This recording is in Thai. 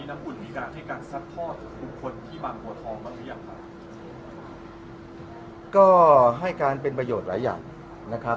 น้ำอุ่นมีการให้การซัดทอดบุคคลที่บางบัวทองมาหรือยังครับก็ให้การเป็นประโยชน์หลายอย่างนะครับ